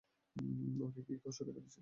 ওকে কি খসাতে পেরেছি?